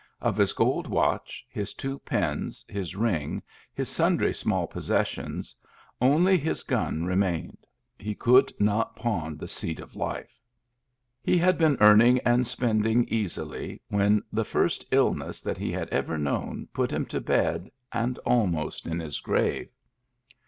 Of his gold watch, his two pins, his ring, his sundry small possessions, only his gun remained : he could not pawn the seat of life. He had been earning and spending easily, when the first illness that he had ever known put him to bed, and almost in his grave.